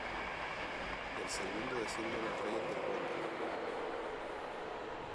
Del segundo descienden los reyes de Gondor.